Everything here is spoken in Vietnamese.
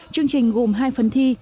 chương trình gồm hai phần thi